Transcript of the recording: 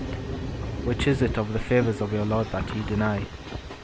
P: Which is it, of the favours of your Lord, that ye deny?